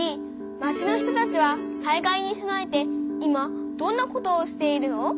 町の人たちは災害に備えて今どんなことをしているの？